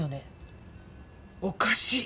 おかしい。